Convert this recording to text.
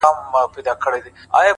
علم د ژوند معنا زیاتوي!